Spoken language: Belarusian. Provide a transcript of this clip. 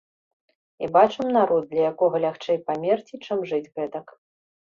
І бачым народ, для якога лягчэй памерці, чым жыць гэтак.